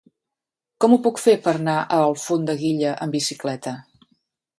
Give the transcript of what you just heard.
Com ho puc fer per anar a Alfondeguilla amb bicicleta?